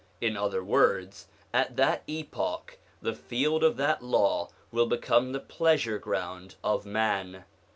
In other words, at that epoch the field of that Law will become the pleasure ground of man.